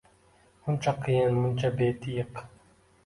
Muncha qiyiq, muncha betiyiq